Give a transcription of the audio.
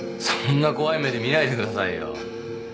そんな怖い目で見ないでくださいよ。